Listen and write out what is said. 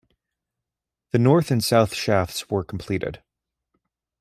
The north and south shafts were completed.